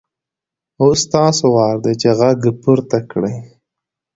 اوس ستاسو وار دی چې غږ پورته کړئ.